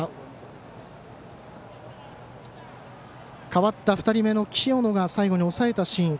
代わった２人目の清野が最後に抑えたシーン。